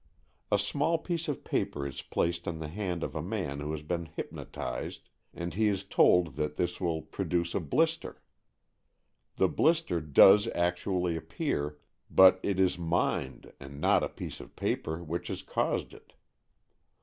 A small piece of paper is placed on the hand of a man who has been hypnotized, 26 AN EXCHANGE OF SOULS 27 and he is told that this will produce a blister. The blister does actually appear, but it is mind, and not a piece of paper, which has caused it.